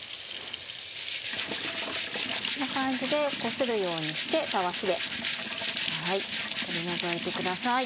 こんな感じでこするようにしてたわしで取り除いてください。